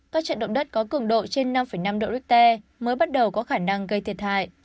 các trận động đất có cường độ trên năm năm độ richter mới bắt đầu có khả năng gây thiệt hại